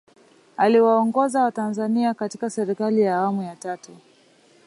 aliwaongoza watanzania katika serikali ya awamu ya tatu